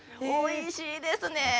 おいしいですね。